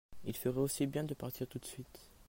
Ils feraient aussi bien de partir tout de suite.